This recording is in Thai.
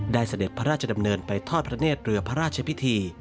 เสด็จพระราชดำเนินไปทอดพระเนธเรือพระราชพิธี